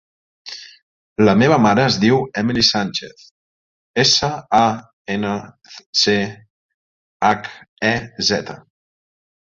La meva mare es diu Emily Sanchez: essa, a, ena, ce, hac, e, zeta.